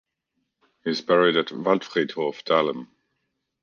He is buried at Waldfriedhof Dahlem.